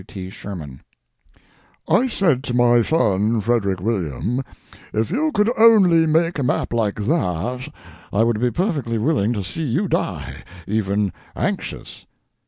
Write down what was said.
W. T. SHERMAN. I said to my son Frederick William, "If you could only make a map like that, I would be perfectly willing to see you die—even anxious."